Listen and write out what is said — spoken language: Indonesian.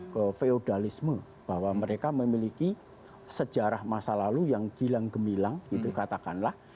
ke feudalisme bahwa mereka memiliki sejarah masa lalu yang gilang gemilang gitu katakanlah